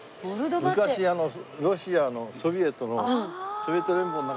昔ロシアのソビエトのソビエト連邦の中にあった国で。